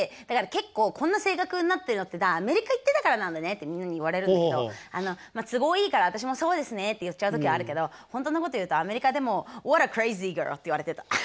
だから結構「こんな性格になってるのってアメリカ行ってたからなんだね」ってみんなに言われるんだけどまあ都合いいから私も「そうですね」って言っちゃう時あるけど本当のこと言うとアメリカでも「ホワットアクレイジーガール」っていわれてた。